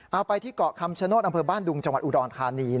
เอาไปที่เกาะคำชโนธอำเภอบ้านดุงจังหวัดอุดรธานี